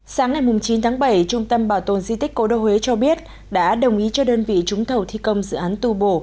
sáng ngày chín tháng bảy trung tâm bảo tồn di tích cố đô huế cho biết đã đồng ý cho đơn vị trúng thầu thi công dự án tu bổ